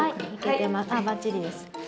あばっちりです。